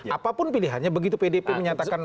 apapun pilihannya begitu pdp menyatakan